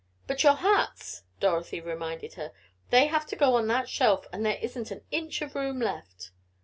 "But your hats," Dorothy reminded her. "They have got to go on that shelf, and there isn't an inch of room left."